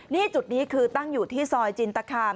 นี่จุดนี้คือตั้งอยู่ที่ซอยจินตคาม